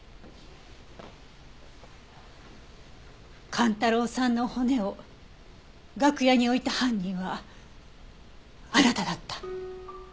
寛太郎さんの骨を楽屋に置いた犯人はあなただった。